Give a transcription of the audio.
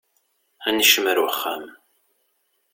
Ad nekcem ar wexxam.